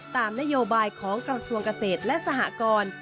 ตามนโยบายของกระทรวงเกษตรและสหกร